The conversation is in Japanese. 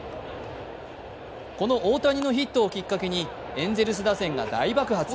この大谷のヒットをきっかけにエンゼルス打線が大爆発。